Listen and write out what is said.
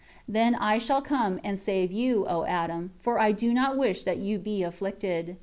12 Then shall I come and save you, O Adam, for I do not wish that you be afflicted.